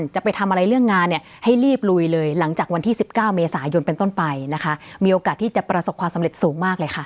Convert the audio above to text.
เจ้าเมษายนเป็นต้นไปนะคะมีโอกาสที่จะประสบความสำเร็จสูงมากเลยค่ะ